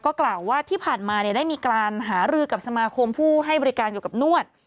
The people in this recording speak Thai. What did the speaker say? กล่าวว่าที่ผ่านมาได้มีการหารือกับสมาคมผู้ให้บริการเกี่ยวกับนวด